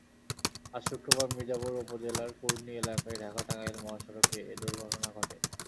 আজ শুক্রবার মির্জাপুর উপজেলার কুর্ণী এলাকায় ঢাকা টাঙ্গাইল মহাসড়কে এ দুর্ঘটনা ঘটে।